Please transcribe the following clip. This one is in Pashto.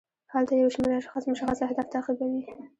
هلته یو شمیر اشخاص مشخص اهداف تعقیبوي.